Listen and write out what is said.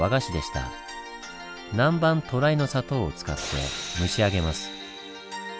南蛮渡来の砂糖を使って蒸し上げます。